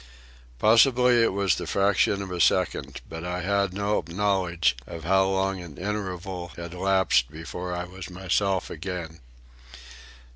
Possibly it was the fraction of a second, but I had no knowledge of how long an interval had lapsed before I was myself again.